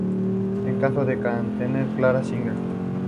Se casó con la cantante Clara Singer.